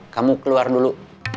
kamu keluar dulu